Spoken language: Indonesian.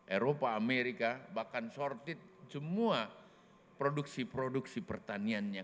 eropa amerika bahkan sortit semua produksi produksi pertaniannya